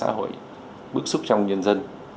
trong xã hội bức xúc trong nhân dân